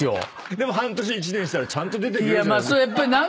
でも半年１年したらちゃんと出てくれるじゃない。